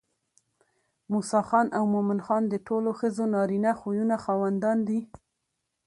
موسى خان او مومن خان د ټولو ښو نارينه خويونو خاوندان دي